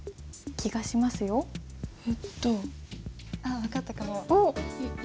あっ分かったかも。